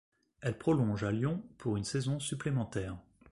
Elle prolonge à Lyon pour une saison supplémentaire.